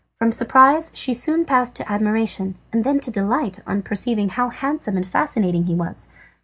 From surprise she soon passed to admiration, and then to delight on perceiving how handsome and fascinating he was.